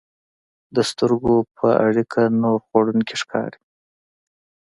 د سترګو په اړیکه نور خوړونکي ښکاري.